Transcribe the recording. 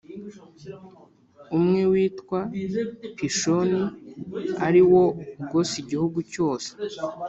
Umwe witwa Pishoni, ari wo ugose igihugu cyose